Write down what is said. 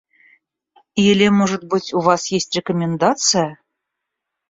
Или, может быть, у вас есть рекомендация?